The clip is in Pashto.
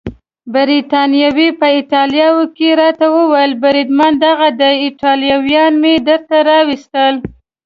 بریتانوي په ایټالوي کې راته وویل: بریدمنه دغه دي ایټالویان مې درته راوستل.